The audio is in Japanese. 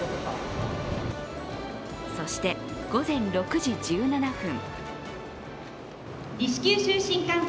そして午前６時１７分。